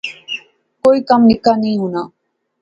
کوئی کم نکا نی ہونا